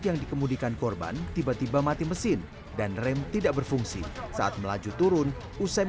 yang dikemudikan korban tiba tiba mati mesin dan rem tidak berfungsi saat melaju turun usai